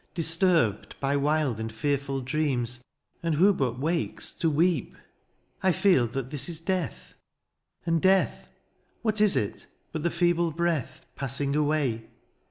Disturbed by wild and fearful dreams, ^' And who but wakes to weep. ^^ I feel that this is death — and death, '* What is it but the feeble breath '^ Passing away